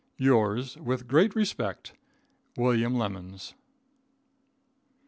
Yours, with great respect, William Lemons.